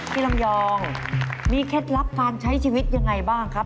ลำยองมีเคล็ดลับการใช้ชีวิตยังไงบ้างครับ